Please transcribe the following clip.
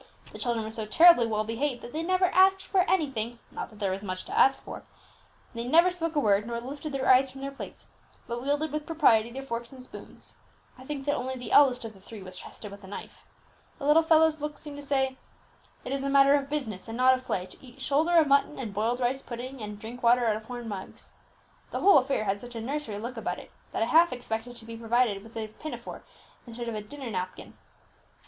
The children were so terribly well behaved, that they never asked for anything (not that there was much to ask for), they never spoke a word, nor lifted their eyes from their plates, but wielded with propriety their forks and spoons; I think that only the eldest of the three was trusted with a knife. The little fellows' looks seemed to say, 'It is a matter of business, and not of play, to eat shoulder of mutton and boiled rice pudding, and drink water out of horn mugs.' The whole affair had such a nursery look about it, that I half expected to be provided with a pinafore, instead of a dinner napkin."